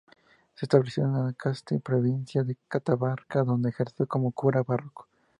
Se estableció en Ancasti, provincia de Catamarca, donde ejerció como cura párroco.